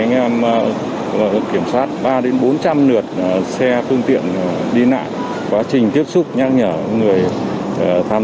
trăm đứa em kiểm soát ba đến bốn trăm linh lượt xe phương tiện đi lại quá trình tiếp xúc nhắc nhở người tham